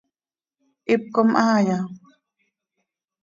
¿Hipcom haaya?